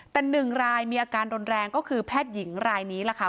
แต่๑รายมีอาการรุนแรงก็คือแพทย์หญิงรายนี้แหละค่ะ